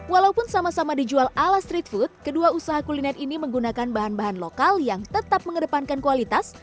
walaupun sama sama dijual ala street food kedua usaha kuliner ini menggunakan bahan bahan lokal yang tetap mengedepankan kualitas